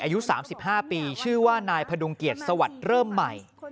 อายุ๓๕ปีชื่อว่านายพดุงเกียรติสวัสดิ์เริ่มใหม่